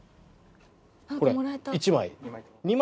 これ１枚？